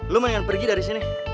lu mainan pergi dari sini